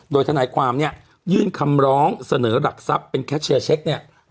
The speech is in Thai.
โดยทนายความเนี่ยยื่นคำร้องเสนอหลักทรัพย์เป็นแคชเชียร์เช็คเนี่ย